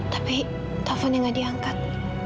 tapi teleponnya gak diangkat